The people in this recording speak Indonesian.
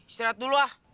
istirahat dulu ah